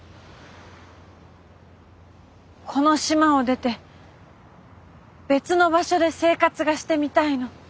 この島を出て別の場所で生活がしてみたいの。